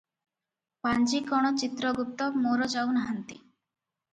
ପାଞ୍ଜିକଣ ଚିତ୍ରଗୁପ୍ତ ମୋର ଯାଉ ନାହାନ୍ତି?